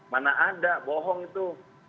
mana ada bohong itu